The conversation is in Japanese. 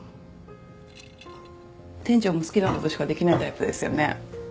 店長も好きなことしかできないタイプですよね？